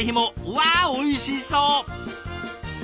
わあおいしそう！